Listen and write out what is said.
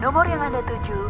nomor yang anda tuju